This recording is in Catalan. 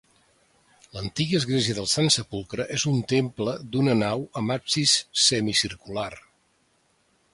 L'antiga església del Sant Sepulcre és un temple d'una nau amb absis semicircular.